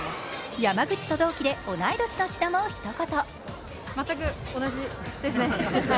山口と同期で同い年の志田も一言。